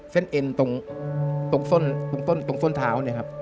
เอ็นตรงส้นเท้าเนี่ยครับ